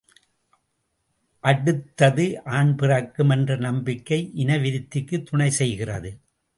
அடுத்தது ஆண் பிறக்கும் என்ற நம்பிக்கை இனவிருத்திக்குத் துணை செய்கிறது.